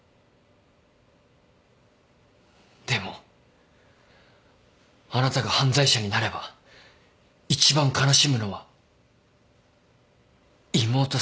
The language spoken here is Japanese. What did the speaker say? でもあなたが犯罪者になれば一番悲しむのは妹さんじゃないでしょうか。